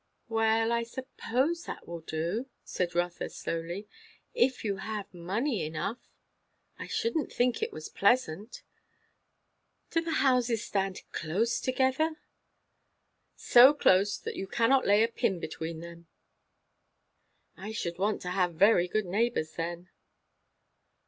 "Well I suppose that will do," said Rotha slowly, "if you have money enough. I shouldn't think it was pleasant. Do the houses stand close together?" "So close, that you cannot lay a pin between them." "I should want to have very good neighbours, then."